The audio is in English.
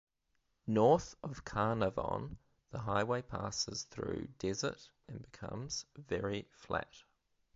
North of Carnarvon, the highway passes through desert and becomes very flat.